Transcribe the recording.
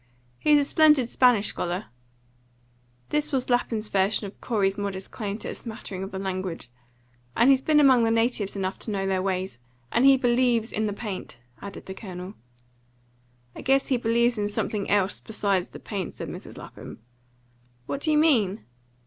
He's a splendid Spanish scholar," this was Lapham's version of Corey's modest claim to a smattering of the language, "and he's been among the natives enough to know their ways. And he believes in the paint," added the Colonel. "I guess he believes in something else besides the paint," said Mrs. Lapham. "What do you mean?"